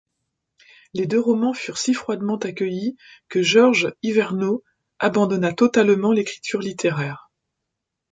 Les deux romans furent si froidement accueillis que Georges Hyvernaud abandonna totalement l'écriture littéraire.